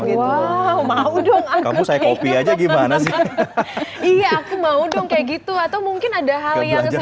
gitu mau dong aku saya copy aja gimana sih iya aku mau dong kayak gitu atau mungkin ada hal yang